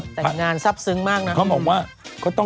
ในอย่างงานทรัพย์ซึ้งมาก